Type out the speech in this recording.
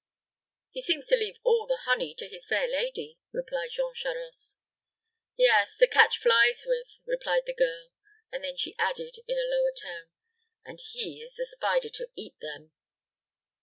"He seems to leave all the honey to his fair lady," replied Jean Charost. "Yes, to catch flies with," replied the girl; and then she added, in a lower tone, "and he is the spider to eat them."